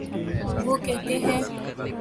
وہ کہتے ہیں۔